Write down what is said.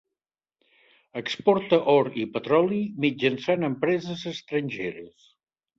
Exporta or i petroli mitjançant empreses estrangeres.